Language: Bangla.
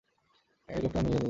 এই লোকটা নীল।